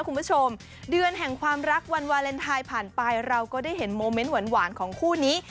คุณผู้ชมเดือนแห่งความรักวันวาเลนไทยผ่านไปเราก็ได้เห็นโมเมนต์หวานของคู่นี้